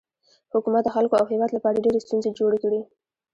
حکومت د خلکو او هیواد لپاره ډیرې ستونزې جوړې کړي.